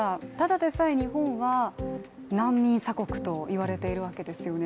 ただでさえ日本は難民鎖国と言われているわけですよね。